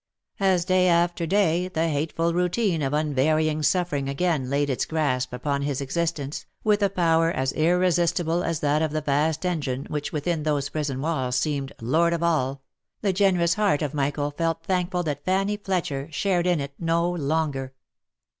As day after day the hateful routine of unva rying suffering again laid its grasp upon his existence, with a power as irresistible as that of the vast engine which within those prison wails 282 THE LIFE AND ADVENTURES seemed " lord of all," the generous heart of Michael felt thankful that Fanny Fletcher shared in it no longer.